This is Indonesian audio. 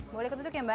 boleh kututup ya mbak